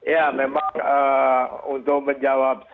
ya memang untuk menjawab